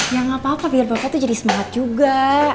ya gapapa biar bapak tuh jadi semangat juga